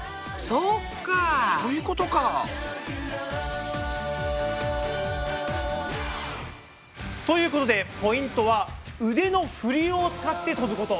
そういうことか。ということでポイントは腕のふりを使ってとぶこと。